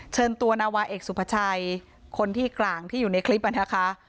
เชิญตัวนาวาเอกสุภาชัยคนที่กลางที่อยู่ในคลิปนะคะ